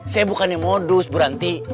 saya bukannya modus buranti